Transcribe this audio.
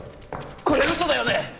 これ嘘だよね！？